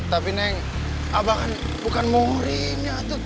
tapi neng apa kan bukan mori nya